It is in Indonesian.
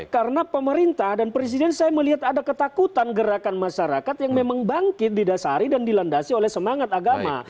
karena pemerintah dan presiden saya melihat ada ketakutan gerakan masyarakat yang memang bangkit didasari dan dilandasi oleh semangat agama